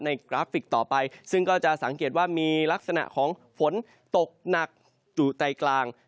กราฟิกต่อไปซึ่งก็จะสังเกตว่ามีลักษณะของฝนตกหนักอยู่ใจกลาง